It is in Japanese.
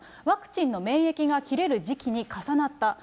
ワクチンの免疫が切れる時期に重なった。